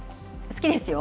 好きですよ。